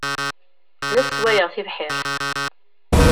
La sswayeɣ tibḥirt.